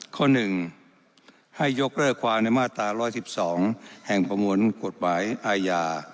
ข้อ๑ให้ยกเลิกความในมาตรา๑๑๒แห่งประมวลกฎหมายอาญา